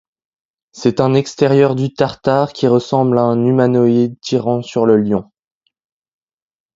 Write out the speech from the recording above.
C'est un extérieur du Tartare qui ressemble à un humanoïde tirant sur le lion.